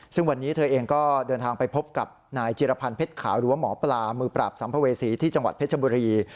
ซึ่งวันนี้เธอเองก็เดินทางไปพบกับนายจิรพันธ์เพชรขาวหรือว่าหมอปลามือปราบสัมภเวษีที่จังหวัดเพชรบุรี